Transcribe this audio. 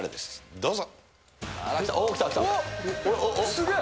どうぞ。